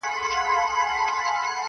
• لا به تر څو د خپل ماشوم زړګي تسل کومه -